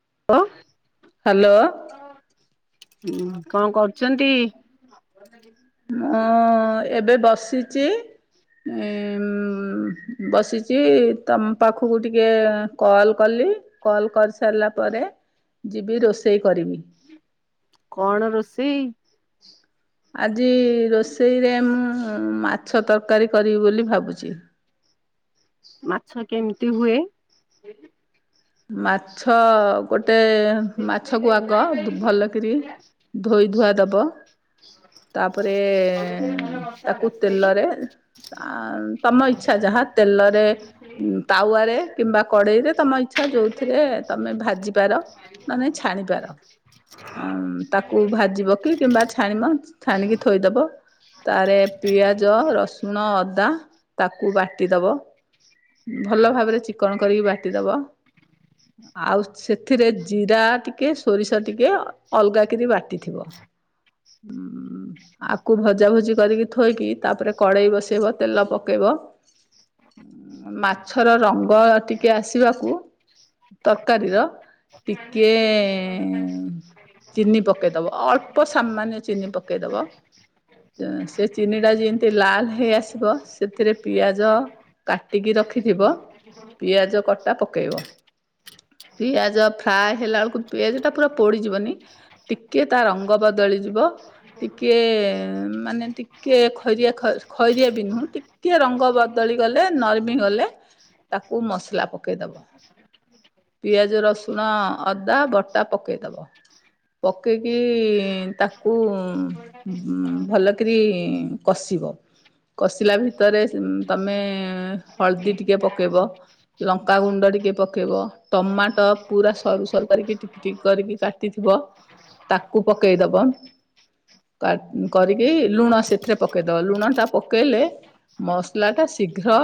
[unintelligible] Hello. ହୁଁ କଣ କରୁଚନ୍ତି? ହଁ ଏବେ ବସିଚି ଉମ୍ ବସିଚି ତମ ପାଖକୁ ଟିକେ କଲ କଲି ଏବେ କଲ କରିସାରିଲା ପରେ ଯିବି ରୋଷେଇ କରିମି। କଣ ରୋଷେଇ? ଆଜି ରୋଷେଇରେ ମୁଁ ମାଛ ତରକାରୀ କରିବି ବୋଲି ଭାବୁଛି। ମାଛ କେମିତି ହୁଏ। ମାଛ ଗୋଟେ ଟେ ମାଛକୁ ଆଗ ଭଲକିରି ଧୋଇ ଧୁଆ ଦବ। ତାପରେ ତାକୁ ତେଲରେ ଆ। ତମ ଇଛା ଯାହା ତେଲରେ ତାୱାରେ କିମ୍ବା କଡେଇ ରେ ତମ ଇଚ୍ଛା ଯୋଉ ଥୀ ରେ ତମେ ଭାଜି ପାର। ନ ନାଇ ଛାଣି ପାର ତାକୁ ଭାଜିବ କି କିମ୍ବା ଛାଣିବ। ଛାଣିକି ଥୋଇଦବ। ତାଡେ ପିଆଜ, ରସୁଣ, ଅଦା ତାକୁ ବାଟିଦବ। ଭଲ ଭାବରେ ଚିକଣ କରିକି ବାଟିଦବ। ଆଉ ସେଥିରେ ଜିରା ଟିକେ ସୋରିଷ ଟିକେ ଅଲଗା। କିରି ବାଟିଥିବ। ଉଁ ଆକୁ ଭଜା ଭଜି କରିକି ଥୋଇକି ତାପରେ କଡେଇ ବସେଇବ ତେଲ ପକେଇବ। ମାଛର ରଙ୍ଗ ଟିକେ ଆସିବାକୁ। ତରକାରୀ ର ଟିକେଁ। ଚିନି ପକେଇ ଦବ ଅଳ୍ପ ସାମନ୍ୟ ଚିନି ପକେଇ ଦବ। ସେ ଚିନିଟା ଯେମତି ଲାଲ୍ ହେଇ ଆସିବ ସେଥିରେ ପିଆଜ। କାଟିକି ରଖିଥିବ ପିଆଜ କଟା ପକେଇବ। ପିଆଜ ଫ୍ରାଏ ହେଲା ବେଳକୁ ପିଆଜ ଟା ପୁରା ପୋଡ଼ି ଯିବନି ଟିକିଏ ତା ରଙ୍ଗ ବଦଳିଯିବ। ଟିକେ ମାନେ ଟିକେ ଖଇରିଆ ଖଇରିଆ ବି ନୁହଁ ଟିକେ ଟିକେ ରଙ୍ଗ ବଦଳି ଗଲେ ନରମି ଗଲେ ତାକୁ ମସଲା ପକେଇ ପକେଇଦବ ପିଆଜ ରସୁଣ। ଅଦା ବଟା ପକେଇଦବ ପକେଇକି ତାକୁ କୁ ଉଁ ଭଲକିରି କସିବ। କସିଲା ଭିତରେ ତମେ ହଳଦୀ ଟିକେ ପକେଇବ। ଲଙ୍କାଗୁଣ୍ଡ ଟିକେ ପକେଇବ ଟମାଟ ପୁରା ସରୁ ସରୁ କରିକି ଟିକ୍ ଟିକ୍ କରିକି କାଟିଥିବ। ତାକୁ ପକେଇ ଦବ। କା କରିକି ଲୁଣ ସେଥିରେ ପକେଇଦବ ଲୁଣ ଟା ପକେଇଲେ ମସଲା ଟା ଶୀଘ୍ ଘ୍ର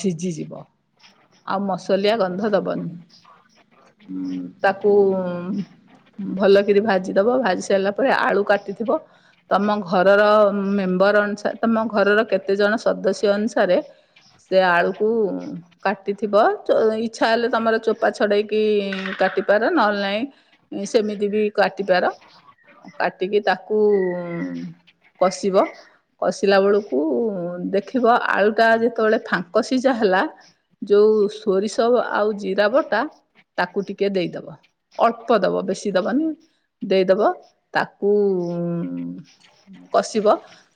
ସିଝିଯିବ ଆଉ ମସଲିଆ ଗନ୍ଧ ଦବନି। ଉଁ ତାକୁ ଉଁ ଭଲକରି ଭାଜି ଦବ ଭାଜି ସାରିଲା ପରେ ଆଳୁ କାଟିଥିବ ତମ ଘରର ମେମ ବର ଅନୁସାରେ ତମ ଘରର କେତେ ଜଣ ସଦସ୍ୟ ଅନୁସାରେ। ସେ ଆଳୁକୁ କାଟିଥିବ ଚ ଇଛା ହେଲେ ତମର ଚୋପା ଛଡେଇକି କାଟି କାଟିପାର ନହେଲେ ନାଇଁ ସେମିତିବି କାଟିପାର। କାଟିକି ତାକୁ ଉଁ। କଷିବ କଷିଲା ବେଳକୁ ଦେଖିବ ଆଳୁ ଟା ଯେତେବେଳେ। ଫାଙ୍କ ସିଝା ହେଲା ଯେଉଁ ସୋରିଷ ଆଉ ଜିରା ବଟା। ତାକୁ ଟିକେ ଦେଇଦେବ ଅଳ୍ପ ଦବ ବେଶୀ ଦବନି। ଦେଇଦବ ତାକୁ। କସିବ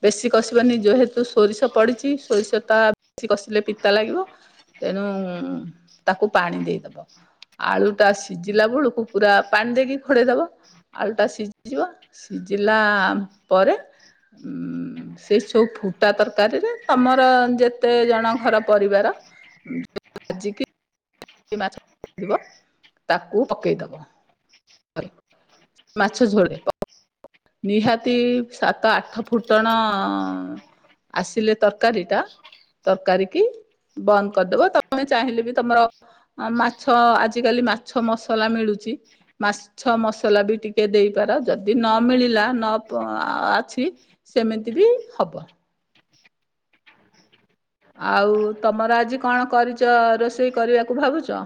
ବେଶୀ କସିବନି ଯେହେତୁ ସୋରିଷ ପଡିଛି ସୋରିଷ ଟା ବେଶୀ କସିଲେ ପିତା ଲାଗିବ ତେଣୁ ତାକୁ ପାଣି ଦେଇଦବ। ଆଳୁ ଟା ସିଝିଲା ବେଳକୁ ପୁରା ପାଣି ଦେଇକି ଘୋଡେଇଦବ। ଆଳୁଟା ସିଝିବ ସିଝିଲା ପରେ। ଉଁ ସେସବୁ ଫୁଟା ତରକାରିରେ ତମର ଯେ ଯେତେ ଜଣ ଘର ପରିବାର [unintelligible] ଭାଜିକି। ମାଛ ରଖିଥିବ ତାକୁ ପକେଇ ଦବ। ମାଛ ଝୋଳରେ। ନିହାତି ସାତ ଆଠ ଫୁଟଣ ଆସିଲେ ତରକାରୀ ଟା। ତରକାରୀ କି ବନ୍ଦ କରଦେବ ତମେ ଚାହିଁଲେ ବି ତମର ଅଁ ମାଛ ଆଜିକାଲି ମାଛ ମସଲା ମିଳୁଚି। ମାଛ ମସଲା ବି ଟିକେ ଦେଇପାର ଯଦି ନ ମିଳିଲା ନ ପା ଆ ଅଛି ସେମିତି ବି ହବ। ଆଉ ତମର ଆଜି କଣ କରିଚ ରୋଷେଇ କରିବାକୁ ଭାବୁଚ?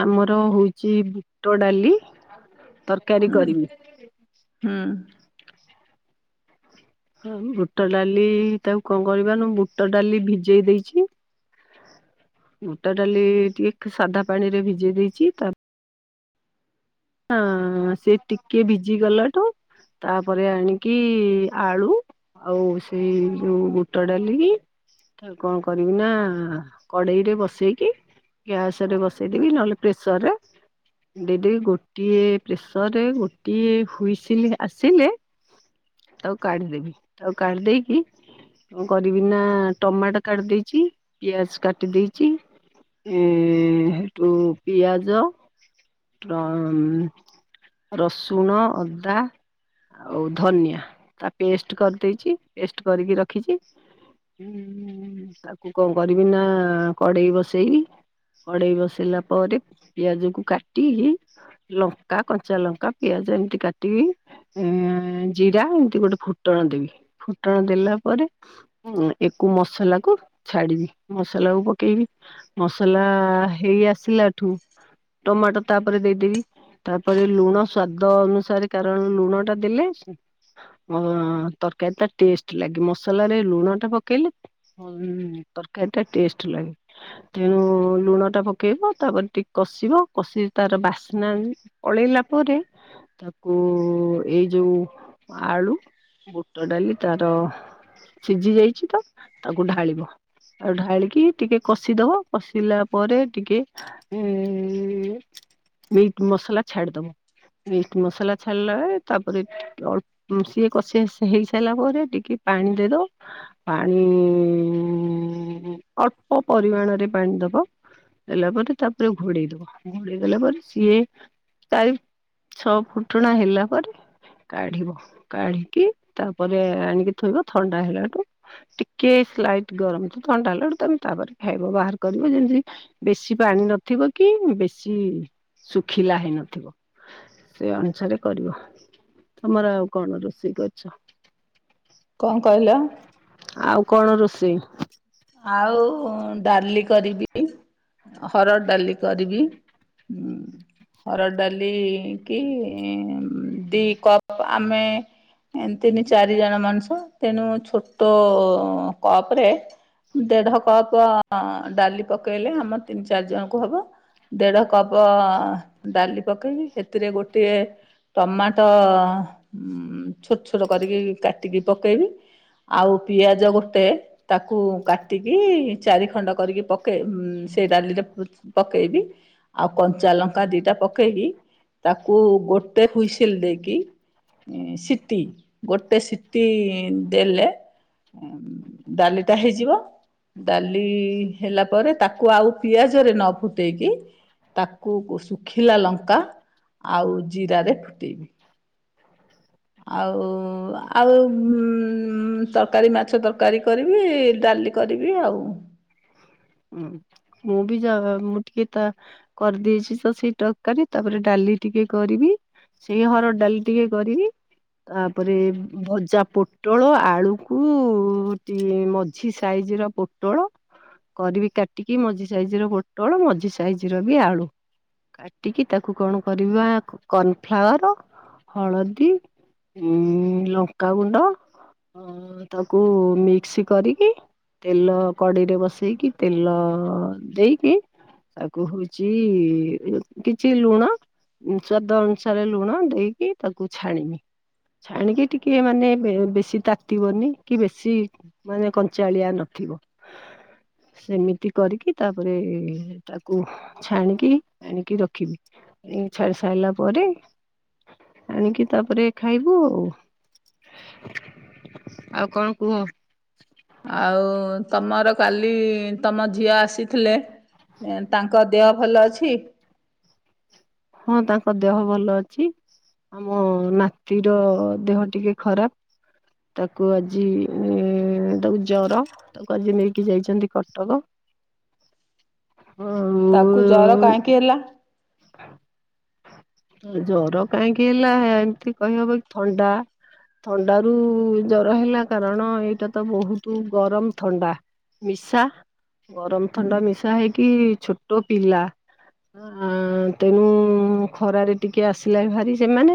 ଆମର ହୋଉଚି ବୁଟ ଡାଲି ତରକାରୀ ହୁଁ କରିବି। ହୁଁ। ଆଉ ବୁଟ ଡାଲି ତାକୁ କଣ କରିବା ନୁ ବୁଟ ଡାଲି ଭିଜେଇ ଦେଇଚି। ବୁଟ ଡାଲି ଟିକେ ସାଧା ପାଣିରେ ଭିଜେଇ ଦେଇଚି ତା ଆଁ ସେ ଟିକେ ଭିଜି ଗଲାଠୁ ତାପରେ ଆଣିକି ଆଳୁ ଆଉ ସେଇ ଯୋଉ ବୁଟ ଡ଼ାଲି କି ତା କଣ କରିବି ନା କଡେଇରେ ବସେଇକି ଗ୍ୟାସରେ ବସେଇଦବି ନହେଲେ ପ୍ରେସରରେ ଦେଇ ଦେଇକି ଗୋଟିଏ ପ୍ରେସରରେ ଗଟିଏ ହୁଇସିଲ୍ ଆସିଲେ ତାକୁ କାଢିଦେବି ତାକୁ କାଢିଦେଇକି କଣ କରିବି ନା ଟମାଟୋ କାଟି ଦେଇଚି ପିଆଜ କାଟି ଦେଇଚି। ଏଁ ହେଟୁ ପିଆଜ ଟ୍ରମ୍ ରସୁଣ ଅଦା ଆଉ ଧନିଆ ତା ପେଷ୍ଟ କରିଦେଇଚି ପେଷ୍ଟ କରିକି ରଖିଚି। ଉଁ ତାକୁ କଣ କରିବି ନା କଡେଇ ବସେଇଲି। କଡେଇ ବସେଇିଲା ପରେ ପିଆଜ କୁ କାଟିିକି ଲ ଲଙ୍କା କଞ୍ଚା ଲଙ୍କା ପିଆଜ ଏମିତି କାଟିବି। ଏ ଜିରା ଏମିତି ଗୋଟେ ଫୁଟଣ ଦେବି ଫୁଟଣ ଦେଲା ପରେ ଉଁ ଏ କୁ ମସଲାକୁ ଛାଡିବି ମସଲା କ ପକେଇବି ମସଲା ହେଇ ଆସିଲା ଠୁ ଟମାଟୋ ତାପରେ ଦେଇଦେବି। ତାପରେ ଲୁଣ ସ୍ଵାଦ ଅନୁସାରେ କାରଣ ଲୁଣ ଟା ଦେଲେ ମ୍ ତରକାରୀ ତ ଟେଷ୍ଟ ଲାଗେ ମସଲାରେ ଲୁଣ ଟା ପକେଇଲେ ଉଁ ତରକାରୀ ଟା ଟେଷ୍ଟ ଲାଗେ ତେଣୁ ଲୁଣ ଟା ପକେଇବ ତାପରେ ଟିକେ କଷିବ କଷି ତାର ବାସ୍ନା ପଳେଇଲା ପରେ ତାକୁ ଏଇ ଯୋଉ ଆଳୁ ବୁଟ ଡାଲି ତାର ସିଜିଯାଇଚି ତ ତାକୁ ଢାଳିବ ଆଉ ଢାଳିକି ଟିକେ କଷିଦବ କଷିଲା ପରେ ଟିକେ ଏଁ ମିଟ ମସଲା ଛାଡିଦବ। ମିଟ୍ ମସଲା ଛାଡ଼ିଲାଏ ତାପରେ ଟିକ ଅଳ୍ପ ସିଏ କଷି ଆସି ହେଇ ସାରିଲା ପରେ ଟିକେ ପାଣି ଦେଇଦବ ପାଣି ଅଳ୍ପ ପରିମାଣରେ ପାଣି ଦ ଦବ ଦେଲା ପରେ ତାପରେ ଘୋଡେଇ ଦବ ଘୋଡେଇ ଦେଲା ପରେ ସିଏ ଚାରି ଛଅ ଫୁଟଣା ହେଲା ପରେ କାଢିବ କାଢିକି ତାପରେ ଆଣିକି ଥୋଇବ ଥଣ୍ଡା ହେଲାଠୁ ଟିକେ ସ୍ଲାଇଟ ଗରମ ତ ଥଣ୍ଡା ହେଲାଠୁ ତମେ ତାପରେ ଖାଇବ ବାହାର କରିବ ଯେମିତି ବେଶୀ ପାଣି ନଥିବ କି କି ବେଶୀ ଶୁଖିଲା ହେଇନଥିବ। ସେ ଅନୁସାରେ କରିବ ତମର ଆଉ କଣ ରୋଷେଇ କରିଚ? କଣ କହିଲ? ଆଉ କଣ ରୋଷେଇ? ଆଉ ଡାଲି କରିବି ହରଡ଼ ଡାଲି କରିବି ହୁଁ। ହରଡ଼ ଡାଲି କି ଦି କପ ଆମେ ଏ ତିନି ଚାରି ଜଣ ମଣିଷ ତେଣୁ ଛୋଟ କପ ରେ ଦେଢ କପ ଡାଲି ପକେଇଲେ ଆମର ତିନି ଚାରି ଜଣଙ୍କୁ ହବ ଦେଢ କପ ଡାଲି ପକେଇବି ସେଥିରେ ଗୋଟିଏ ଟମାଟୋ ଉ ଛୋଟ ଛୋଟ କରିକି କାଟିକି ପକେଇବି। ଆଉ ପିଆଜ ଗୋଟେ ତାକୁ ବାଟିକି ଚାଟିଖଣ୍ଡ କରିକି ପକେଇବି ସେ ଡାଲିରେ ପକେଇବି କଞ୍ଚା ଲଙ୍କା ଦିଟା ପକେଇକି ତାକୁ ଗୋଟେ ହୁସିଲ ଦେଇକି ସିଟି ଗୋଟେ ସିଟି ଦେଲେ ଡାଲିଟା ହେଇଯିବ। ଡାଲି ହେଲାପରେ ଟାକୁ ଆଉ ପିଆଜରେ ନପୁଟେଇକି ତାକୁ ଶୁଖିଲା ଲଙ୍କା ଆଉ ଜିରାରେ ଫୁଟେଇବି। ଆଉ ଆଉ ଉଁ ତର୍କାରୀ ମାଛ ତର୍କାରୀ କରିବି। କା କାଲି କରିବି ଆଉ। ହୁଁ। ମୁଁ ବି ଯା ମୁଁ ଟିକେ ତା କରିଦେଇସି ସ ସେଇ ଟକାରେ ତାପରେ ଡାଲି ଟିକେ କରିବି। ସେଇ ହର ଡାଲି ଟିକେ କରିବି। ତାପରେ ଭଜା ପୋଟଳ ଆଳୁକୁ ଟି ମଝି ସାଇ ଆଜିର ପୋଟଳ କରିବି କା ଟିକି ମଝି ସାଇଜ ର ପୋଟଳ ମଝି ସାଇଜ ର ବି ଆଳୁ। କାଟିକି ତାକୁ କଣ କରିବା କନଫ୍ଲାୱାର ହଳଦୀ ଉଁ ଲଙ୍କାଗୁଣ୍ଡ ହଁ ତାକୁ ମିକ୍ସ କରିକି ତେଲ କଡିରେ ବସେଇକି ତେଲ ଦେଇକି ତାକୁ ହଉଛି କିଛି ଲୁଣ ସ୍ୱାଦ ଅନୁସାରେ ଲୁଣ ଦେଇକି ତାକୁ ଛାଣିମି। ଛାଣିକି ଟିକେ ମାନେ ବେ ବେଶୀ ତାତିିବନି କି ବେଶୀ ମାନେ କଞ୍ଚାଳିଆ ଥିବ ସେମିତି କରିକି ତାପରେ ତାକୁ ଛାଣିକି ଆଣିକି ରଖିବି [unintelligible] ଲା ପରେ ଆଣିକି ତାପରେ ଖାଇବୁ ଆଉ। ଆଉ କଣ କୁହ? ଆଉ ତମର କାଲି ତମ ଝିଅ ଆସିଥିଲେ? ତାଙ୍କ ଦେହ ଭଲ ଅଛି। ହଁ ତାଙ୍କ ଦେହ ଭଲ ଅଛି। ଆମ ନାତିର ଦେହ ଟିକେ ଖରାପ୍। ତାକୁ ଆଜି ତାକୁ ଜର ତାକୁ ଆଜି ନେଇକି ଯାଇଛନ୍ତି କଟକ। ଆଉ ତାକୁ ଜର କାହିଁକି ହେଲା? ଜର କାହିଁକି ହେଲା ଏମତି କହିହବ କି ଥଣ୍ଡା ଥଣ୍ଡା ରୁ ଜର ହେଲା କାରଣ ଏଇଟା ତ ବହୁତୁ ଗରମ ଥଣ୍ଡା। ମିଶା ଗରମ ହୁଁ, ଥଣ୍ଡା ମିଶା ହେଇକି ଛୋଟ ପିଲା। ଆ ତେଣୁ ଖରାରେ ଟିକେ ଆସିଲା ଭାରି ସେମାନେ।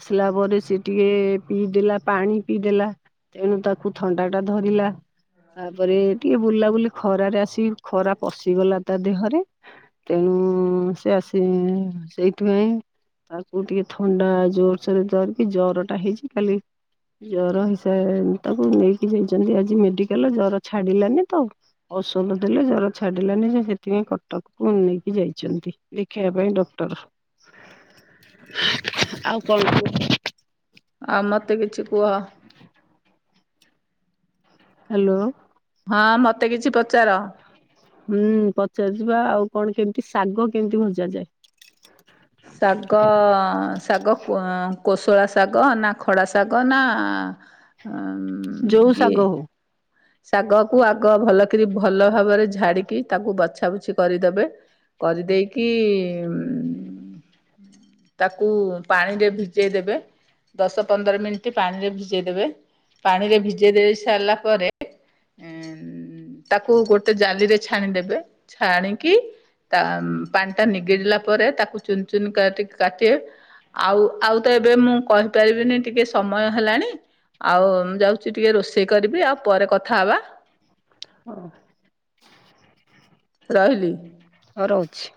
ଆସିଲା ପରେ ସେ ଟିକେ ପିଇଦେଲା ପାଣି ପିଇଦେଲା। ତେଣୁ ତାକୁ ଥଣ୍ଡା ଟା ଧରିଲା। ତାପରେ ଟିକେ ବୁଲାବୁଲି ଖରାରେ ଆସିିକି ଖରା ପଶିଗଲା ତା ଦେହରେ ତେଣୁ ହୁଁସେ ଆସି ସେଇଥିପାଇଁ ତାକୁ ଟିକେ ଥଣ୍ଡା ଜୋରସୋରରେ ଧରିକି ଜର ଟା ହେଇଚି ଖାଲି ଜର ହିସ ତାକୁ ନେଇକି ଯାଇଛନ୍ତି ଆଜି ମେଡିକାଲ ଜର ଛାଡିଲାନି ତ। ଔଷଧ ଦେଲେ ଜର ଛାଡିଲାନି ସେ ସେଥିପାଇଁ କଟକକୁ ନେଇକି ଯାଇଛନ୍ତି। ଦେଖିବା ପାଇଁ ଡକ ଟର [inaudible] ଆଉ କଣ କୁହ। ଆଉ ମତେ କିଛି କୁହ? ହ୍ୟାଲୋ। ହଁ ମତେ କିଛି ପଚାର? ହୁଁ ପଚାରୁଚିବା ଆଉ କଣ କେମିତି ଶାଗ କେମିତି ଭଜା ଯାଏ। ସାଗ ଆଁ ସଗ କ୍ଵଆଁ କୋଶଳା ଶାଗ ନା ଖଡା ଶାଗ ନା ଯୋଉ ସାଗ ହଉ। ଶାଗ କୁ ଆଗ ଭଲକରି ଭଲ ଭାବରେ ଝାଡିକି ତାକୁ ବଛାବୁଛି କରିଦବେ। କରିଦେଇକି ତାକୁ ପାଣିରେ ଭିଜେଇ ଦେବେ। ଦଶ ପନ୍ଦର ମିନଟି ପାଣିରେ ଭିଜେଇ ଦେବେ। ପାଣିରେ ଭିଜେଇ ଦେଇ ସାରିଲା ପରେ ଉଁ ତାକୁ ଗୋଟେ ଜାଲିରେ ଛାଣିଦେବେ ଛାଣିକି ତା ପାଣି ଟା ନିଗିଡିଲା ପରେ ତାକୁ ଚୁନ ଚୁନ କାଟି କାଟିବେ। ଆଉ ଆଉ ତ ଏବେ ମୁଁ କହିପାରିବିନି ଟିକେ ସମୟ ହେଲାଣି। ଆଉ ମୁଁ ଯାଉଛି ଟିକେ ରୋଷେଇ କରିବି ଆଉ ପରେ କଥା ହବା। ଅ ହ ରହିିଲି। ରହୁଛି।